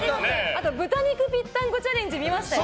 あと、豚肉ぴったんこチャレンジ見ましたよ。